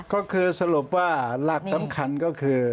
ก็คือสรุปว่าหลักสำคัญก็คือ